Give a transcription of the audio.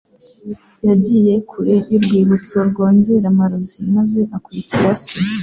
Yagiye kure y'urwibutso rwongera amarozi maze akurikira se.